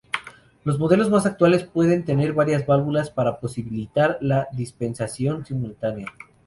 Los modelos más actuales pueden tener varias válvulas para posibilitar la dispensación simultánea.